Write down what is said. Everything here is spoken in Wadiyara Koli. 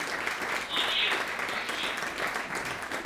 هانَ ايڪ ٻسُون ليڌون